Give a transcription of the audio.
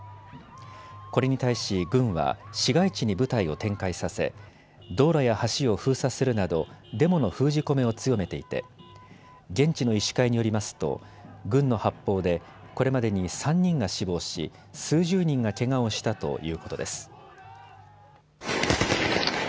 これに対し軍は市街地に部隊を展開させ道路や橋を封鎖するなどデモの封じ込めを強めていて現地の医師会によりますと軍の発砲でこれまでに３人が死亡し数十人がけがをしたということです。